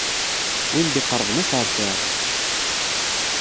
Win d-iqerrben ad t-retɛeɣ.